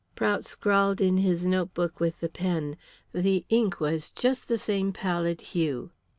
Prout scrawled in his pocketbook with the pen. The ink was just the same pallid hue.